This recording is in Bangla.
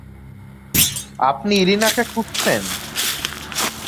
আপনি ইরিনাকে খুঁজছেন?